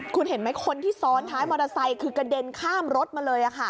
คุณเห็นไหมคนที่ซ้อนท้ายมอเตอร์ไซค์คือกระเด็นข้ามรถมาเลย